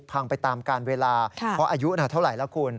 พังไปตามการเวลาเพราะอายุเท่าไหร่แล้วคุณ